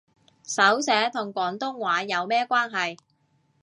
手寫同廣東話有咩關係